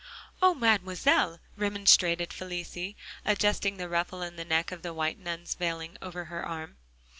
"Oh, Mademoiselle!" remonstrated Felicie, adjusting the ruffle in the neck of the white nun's veiling over her arm.